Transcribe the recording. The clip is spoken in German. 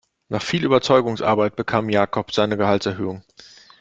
Nach viel Überzeugungsarbeit bekam Jakob seine Gehaltserhöhung.